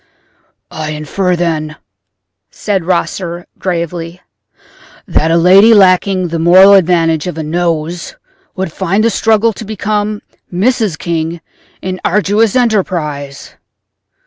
"I infer, then," said Rosser, gravely, "that a lady lacking the moral advantage of a nose would find the struggle to become Mrs. King an arduous enterprise."